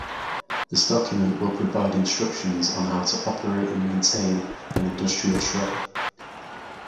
This document will provide instructions on how to operate and maintain an industrial shredder.